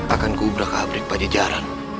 akan ku berakhir ke abrik pajajaran